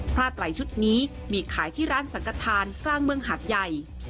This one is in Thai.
ผ้าไหล่ชุดนี้มีขายที่ร้านสังกฐานกลางเมืองหาดใหญ่